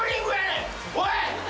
おい！